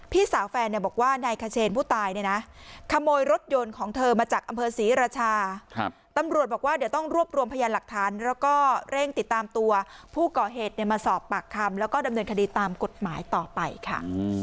พี่สาวแฟนเนี่ยบอกว่านายขเชนผู้ตายเนี่ยนะขโมยรถยนต์ของเธอมาจากอำเภอศรีราชาตำรวจบอกว่าเดี๋ยวต้องรวบรวมพยานหลักฐานแล้วก็เร่งติดตามตัวผู้ก่อเหตุมาสอบปากคำแล้วก็ดำเนินคดีตามกฎหมายต่อไปค่ะ